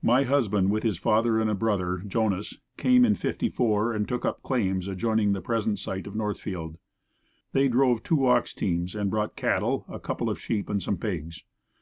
My husband with his father and a brother, Jonas, came in '54 and took up claims adjoining the present site of Northfield. They drove two ox teams and brought cattle, a couple of sheep and some pigs.